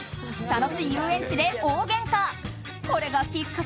楽しい遊園地で大げんか。